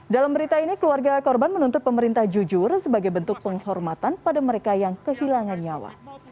dalam berita ini keluarga korban menuntut pemerintah jujur sebagai bentuk penghormatan pada mereka yang kehilangan nyawa